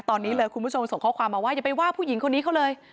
ตอนนี้เลยคุณผู้ชมส่งข้อความมาว่าอย่าไปว่าผู้หญิงคนนี้เขาเลย